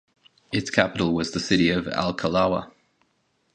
Its capital was the city of Alkalawa.